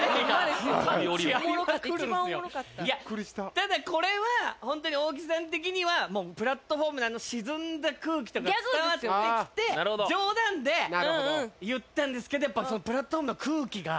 大体これはホントに大木さん的にはプラットホームのあの沈んだ空気とか伝わってきて冗談で言ったんですけどプラットホームの空気が。